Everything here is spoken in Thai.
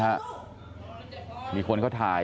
สวัสดีครับคุณผู้ชาย